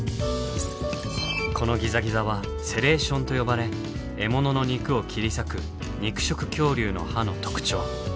このギザギザは「セレーション」と呼ばれ獲物の肉を切り裂く肉食恐竜の歯の特徴。